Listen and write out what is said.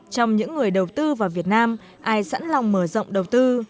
trong những người đầu tư vào việt nam ai sẵn lòng mở rộng đầu tư